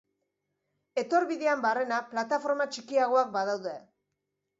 Etorbidean barrena, plataforma txikiagoak badaude.